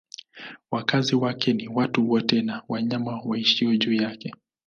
Wakazi wake ni watu wote na wanyama waishio juu yake.